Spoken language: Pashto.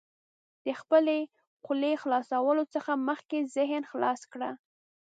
د خپلې خولې خلاصولو څخه مخکې ذهن خلاص کړه.